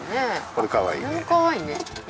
これもかわいいね。